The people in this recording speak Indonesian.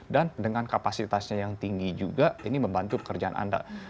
dan dengan kapasitasnya yang tinggi juga ini membantu pekerjaan anda